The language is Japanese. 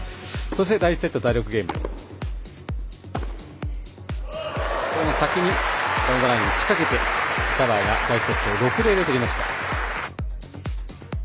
第１セット第６ゲームは先にダウンザラインを仕掛けてジャバーが第１セットを６−０で取りました。